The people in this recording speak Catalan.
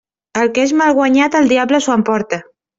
El que és mal guanyat el diable s'ho emporta.